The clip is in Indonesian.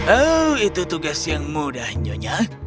oh itu tugas yang mudah nyonya